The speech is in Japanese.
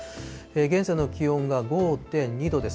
現在の気温が５．２度です。